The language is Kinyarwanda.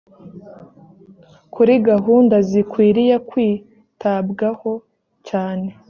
kuri gahunda zikwiriye kwitabwaho cyane